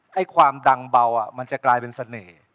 ให้ความดังเบามันจะกลายเป็นเสน่ห์